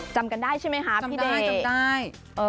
จำกันได้ใช่ไหมคะพี่ได้